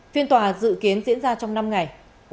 phiên tòa dự kiến diễn ra trong năm ngày